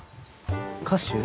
歌手？